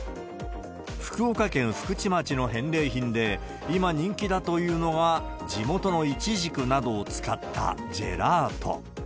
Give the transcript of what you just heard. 福岡県福智町の返礼品で、今人気だというのが地元のイチジクなどを使ったジェラート。